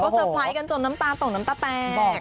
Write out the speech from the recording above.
สะพายกันถึงต้องน้ำตาแปลก